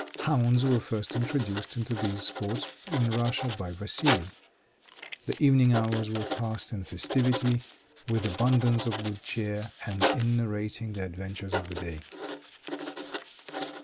Hounds were first introduced into these sports in Russia by Vassili. The evening hours were passed in festivity, with abundance of good cheer, and in narrating the adventures of the day.